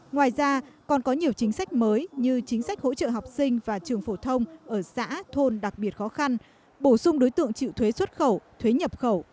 ngoài ra còn có nhiều chính sách mới như chính sách hỗ trợ học sinh và trường phổ thông ở xã thôn đặc biệt khó khăn bổ sung đối tượng chịu thuế xuất khẩu thuế nhập khẩu